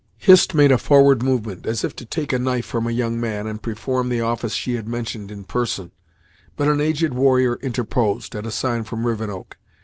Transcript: Hist made a forward movement, as if to take a knife from a young man, and perform the office she had mentioned in person, but an aged warrior interposed, at a sign from Rivenoak.